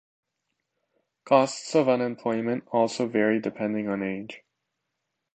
Costs of unemployment also vary depending on age.